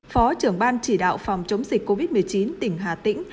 phó trưởng ban chỉ đạo phòng chống dịch covid một mươi chín tỉnh hà tĩnh